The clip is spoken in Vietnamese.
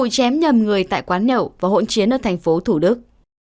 cầm người tại quán nhậu và hỗn chiến ở thành phố thủ đức